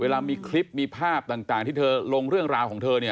เวลามีคลิปมีภาพต่างที่เธอลงเรื่องราวของเธอเนี่ย